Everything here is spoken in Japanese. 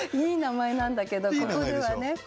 いい名前なんだけどここではね。